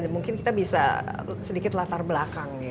mungkin kita bisa sedikit latar belakang ya